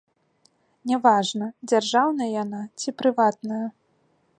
Не важна, дзяржаўная яна ці прыватная.